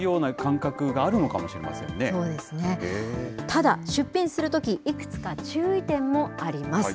ただ、出品するとき、いくつか注意点もあります。